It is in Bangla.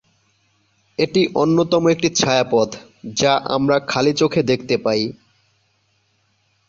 এটি অন্যতম একটি ছায়াপথ যা আমরা খালি চোখে দেখতে পাই।